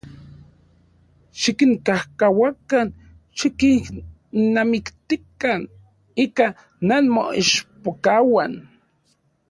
Xikinkajkauakan, xikinnamiktikan ika nanmoichpokauan.